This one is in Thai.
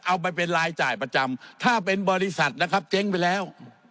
เอาไปเป็นรายจ่ายประจำถ้าเป็นบริษัทนะครับเจ๊งไปแล้ว